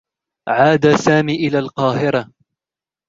عاد سامي من القاهرة.